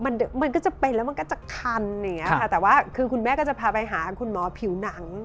มันมันก็จะเป็นแล้วมันก็จะคันอย่างเงี้ค่ะแต่ว่าคือคุณแม่ก็จะพาไปหาคุณหมอผิวหนัง